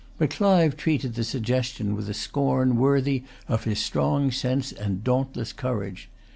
But Clive treated the suggestion with a scorn worthy of his strong sense and dauntless courage.